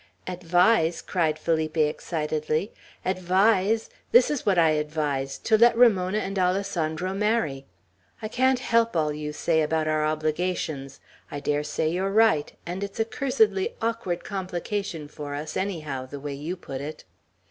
"Advise!" cried Felipe, excitedly. "Advise! This is what I advise to let Ramona and Alessandro marry. I can't help all you say about our obligations. I dare say you're right; and it's a cursedly awkward complication for us, anyhow, the way you put it."